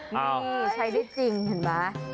นี่ใช้ได้จริงเห็นไหม